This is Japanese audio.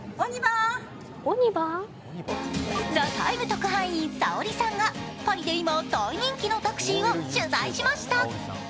特派員、さおりさんがパリで今、大人気のタクシーを取材しました。